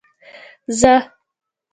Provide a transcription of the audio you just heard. زه